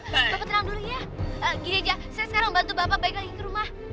bapak tenang dulu ya gini aja saya sekarang membantu bapak balik lagi ke rumah